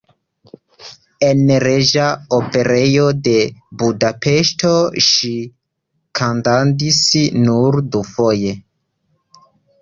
En Reĝa Operejo de Budapeŝto ŝi kantadis nur dufoje.